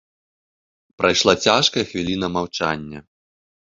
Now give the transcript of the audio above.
Прайшла цяжкая хвіліна маўчання.